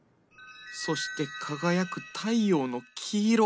そして輝く太陽の黄色。